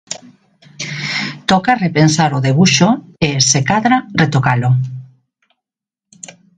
Toca repensar o debuxo e, se cadra, retocalo.